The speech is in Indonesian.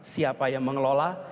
siapa yang mengelola